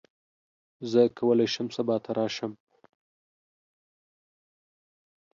زه کولی شم سبا ته راشم.